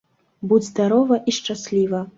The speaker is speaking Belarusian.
Будзь здарова і шчасліва!